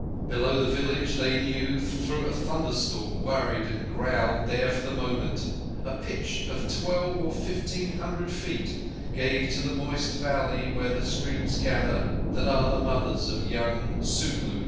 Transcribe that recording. Below the village they knew, though a thunderstorm worried and growled there for the moment, a pitch of twelve or fifteen hundred feet gave to the moist valley where the streams gather that are the mothers of young Sutluj.